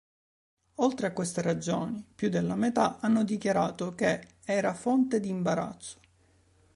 Oltre a queste ragioni più della metà hanno dichiarato che “era fonte di imbarazzo”.